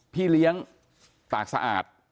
พี่เลี้ยงปากสะอาด